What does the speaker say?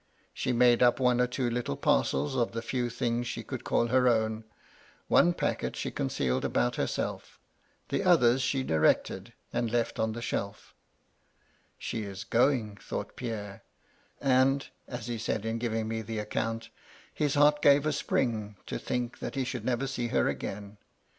She made up one or two little parcels of the few things she could call her own : one packet she concealed about herself, — the others she directed, and left on the shel£ " She is going," thought Pierre, and (as he said in giving me the account) his heart gave a spring, to think that he should never see her again.